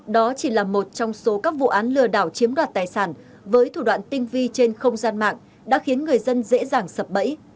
đó chỉ là một trong số các vụ án lừa đảo chiếm đoạt tài sản với thủ đoạn tinh vi trên không gian mạng đã khiến người dân dễ dàng sập bẫy